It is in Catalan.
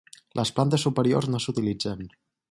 Les plantes superiors no s'utilitzen.